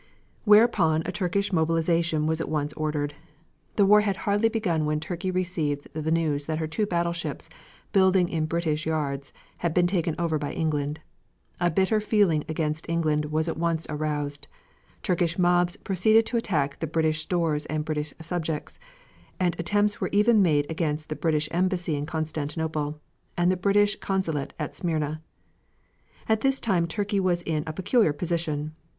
Whereupon a Turkish mobilization was at once ordered. The war had hardly begun when Turkey received the news that her two battleships, building in British yards, had been taken over by England. A bitter feeling against England was at once aroused, Turkish mobs proceeded to attack the British stores and British subjects, and attempts were even made against the British embassy in Constantinople, and the British consulate at Smyrna. At this time Turkey was in a peculiar position.